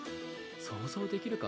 想像できるか？